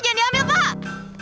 jangan diambil pak